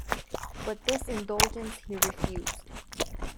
But this indulgence he refused.